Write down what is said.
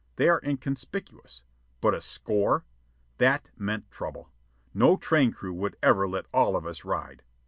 They are inconspicuous. But a score! That meant trouble. No train crew would ever let all of us ride.